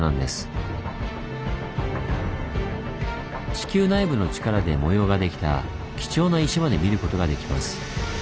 地球内部の力で模様ができた貴重な石まで見ることができます。